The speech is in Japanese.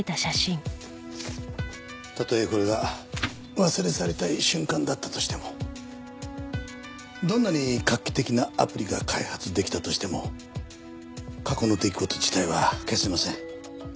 たとえこれが忘れ去りたい瞬間だったとしてもどんなに画期的なアプリが開発できたとしても過去の出来事自体は消せません。